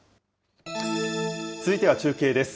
続いては中継です。